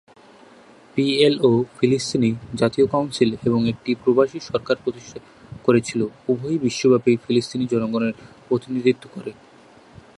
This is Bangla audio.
পিএলও ফিলিস্তিনি জাতীয় কাউন্সিল এবং একটি প্রবাসী সরকার প্রতিষ্ঠা করেছিল, উভয়ই বিশ্বব্যাপী ফিলিস্তিনি জনগণের প্রতিনিধিত্ব করে।